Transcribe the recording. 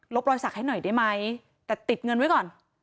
รอยสักให้หน่อยได้ไหมแต่ติดเงินไว้ก่อน